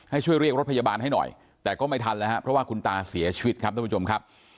ให้ช่วยเรียกรถพยาบาลให้หน่อยแต่ก็ไม่ทันแล้วครับเพราะว่าคุณตาเสียชีวิตครับท่านผู้ชมครับ